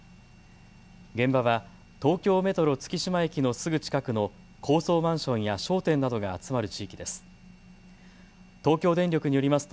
現場は東京メトロ月島駅のすぐ近くの高層マンションや商店などが集まる地域です。